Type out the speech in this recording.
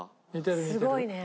すごいね。